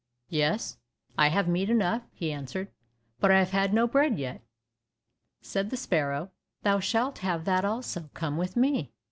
"Yes, I have had meat enough," he answered, "but I have had no bread yet." Said the sparrow, "Thou shalt have that also, come with me."